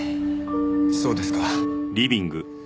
そうですか。